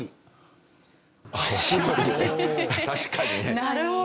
なるほど。